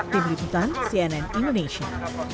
tim liputan cnn indonesia